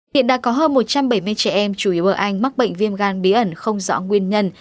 hiện đã có hơn một trăm bảy mươi trẻ em chủ yếu ở anh mắc bệnh viêm gan bí ẩn không rõ nguyên nhân